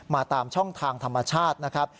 ตามช่องทางธรรมชาตินะครับ